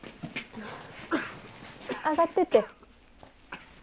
上がってて。